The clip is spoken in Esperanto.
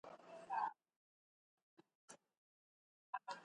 Mistera ŝanĝo ŝajnas veni super usonanoj kiam ili iras al fremda lando.